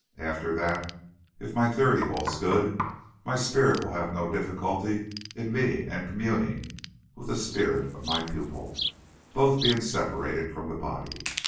After that, if my theory holds good, my spirit will have no difficulty in meeting and communing with the spirit of my pupil, both being separated from the body.